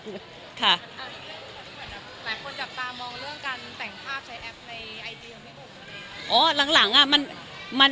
หลายคนจับตามองเรื่องการแต่งภาพใส่แอปในไอดียังไม่มุ่ง